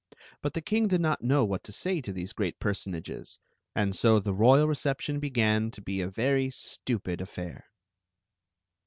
But the king did not know what to say to these great personages, and so the rqyal reception began to be a very stupid affair.